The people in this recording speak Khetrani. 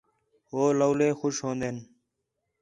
ہو لولے خوش ہوندِن